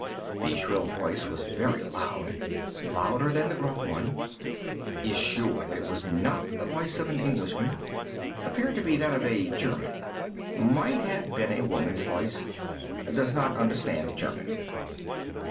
The shrill voice was very loud—louder than the gruff one. Is sure that it was not the voice of an Englishman. Appeared to be that of a German. Might have been a woman's voice. Does not understand German.